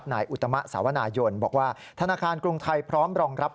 อุตมะสาวนายนบอกว่าธนาคารกรุงไทยพร้อมรองรับ